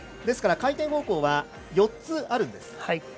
ですから回転方向は４つあります。